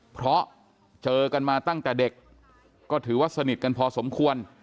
เพราะเจอกันมาตั้งแต่เด็กก็ถือว่าสนิทกันพอสมควร